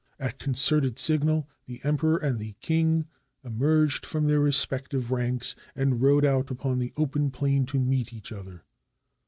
At con certed signal the Emperor and the king emerged from their respective ranks, and rode out upon the open plain to meet each other.